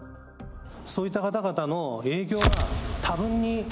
そういった方々の影響は多分に。